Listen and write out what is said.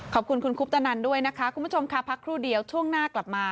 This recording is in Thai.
ขอบคุณคุณคุปตนันด้วยนะคะคุณผู้ชมค่ะพักครู่เดียวช่วงหน้ากลับมา